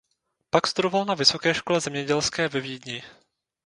Pak studoval na Vysoké škole zemědělské ve Vídni.